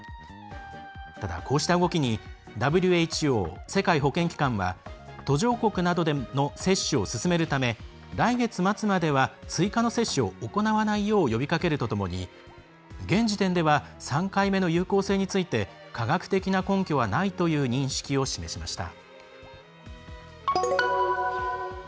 ただ、こうした動きにＷＨＯ＝世界保健機関は途上国などでの接種を進めるため来月末までは追加の接種を行わないよう呼びかけるとともに現時点では３回目の有効性について科学的な根拠はないという認識を示しました。